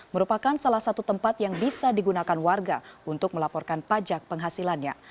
merupakan salah satu tempat yang bisa digunakan warga untuk melaporkan pajak penghasilannya